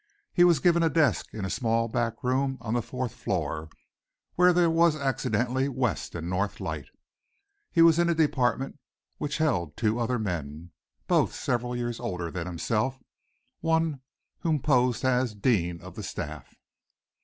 He was given a desk in a small back room on a fourth floor where there was accidentally west and north light. He was in a department which held two other men, both several years older than himself, one of whom posed as "dean" of the staff.